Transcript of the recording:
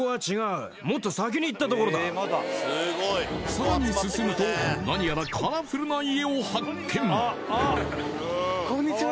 さらに進むと何やらカラフルな家を発見こんにちは